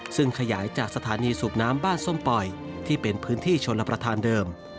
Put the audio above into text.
ซึ่งขยายจากสถานีสูบน้ำบ้านส้มปล่อยที่เป็นพื้นที่ชนรับประทานเดิม